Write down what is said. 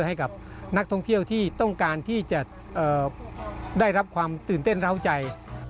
ให้กับนักท่องเที่ยวที่ต้องการที่จะได้รับความตื่นเต้นร้าวใจ